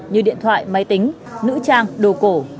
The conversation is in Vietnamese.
như điện thoại máy tính nữ trang đồ cổ